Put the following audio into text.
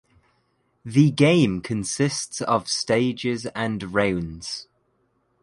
The game consist of stages and rounds.